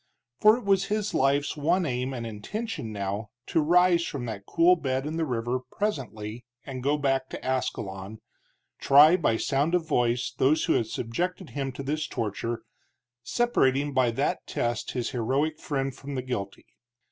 For it was his life's one aim and intention now to rise from that cool bed in the river presently and go back to Ascalon, try by sound of voice those who had subjected him to this torture, separating by that test his heroic friend from the guilty.